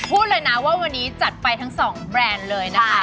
พูดเลยนะว่าวันนี้จัดไปทั้งสองแบรนด์เลยนะคะ